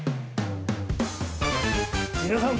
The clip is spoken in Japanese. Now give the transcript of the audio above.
皆さん。